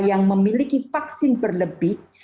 yang memiliki vaksin berlebih